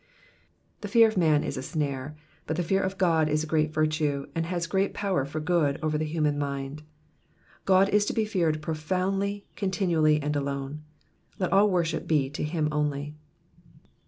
The fear of man is a snare, but the fear of Qod is a great virtue, and has great power for good over the human mind. God is to be feared profoundly, con tinually, and alone. Let all worship be to him only.